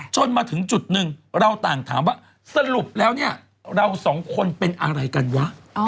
จนมาถึงจุดหนึ่งเราต่างถามว่าสรุปแล้วเนี่ยเราสองคนเป็นอะไรกันวะ